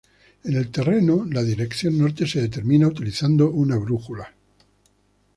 En el terreno la dirección norte se determina utilizando una brújula.